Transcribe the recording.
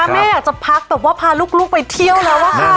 แม่อยากจะพักแบบว่าพาลูกไปเที่ยวแล้วอะค่ะ